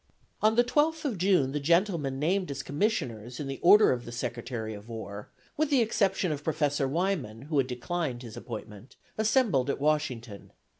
On the 12th of June the gentlemen named as Commissioners in the order of the Secretary of War (with the exception of Professor Wyman, who had declined his appointment) assembled at Washington.